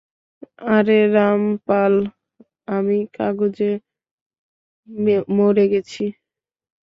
আরে রামপাল, আমি কাগজে মরে গেছি।